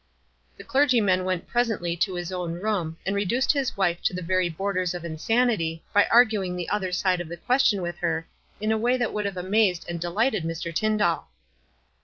The clergyman went presently to his own room, and reduced his wife to the WISE AND OTHERWISE. 263 very borders of insanity by arguing the other side of the question with her in a way that would have amazed and delighted Mr. Tyndall.